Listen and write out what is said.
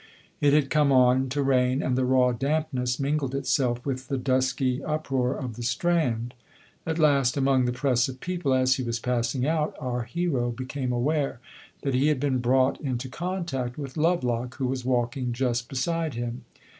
It had come on to rain, and the raw dampness mingled itself with the dusky uproar of the Strand. At last, among the press of people, as he was passing out, our hero became aware that he had been brought into contact with Lovelock, who was walking just beside him.